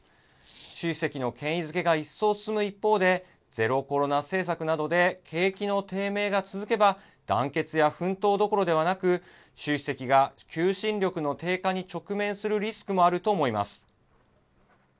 習主席の権威づけが一層進む一方で、ゼロコロナ政策などで景気の低迷が続けば、団結や奮闘どころではなく、習主席が求心力の低下に直面するリスクもあると思います。